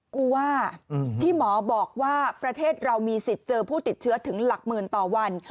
กลัวว่าที่หมอบอกว่าประเทศเรามีสิทธิ์เจอผู้ติดเชื้อถึงหลักหมื่นต่อวัน